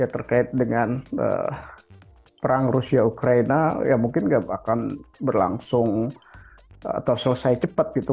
terkait dengan perang rusia ukraina ya mungkin nggak akan berlangsung atau selesai cepat gitu